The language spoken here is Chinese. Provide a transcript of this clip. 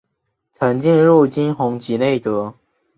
曾进入金弘集内阁。